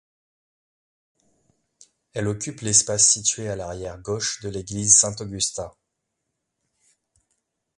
Elle occupe l'espace situé à l'arrière gauche de l'église Saint-Augustin.